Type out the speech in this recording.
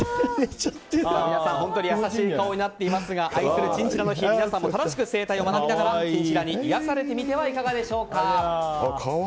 皆さん、優しい顔になっていますが愛するチンチラの日皆さんも楽しく生態を学びながらチンチラに癒されてみてはいかがでしょうか。